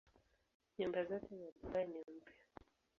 Nyumba zote za Dubai ni mpya.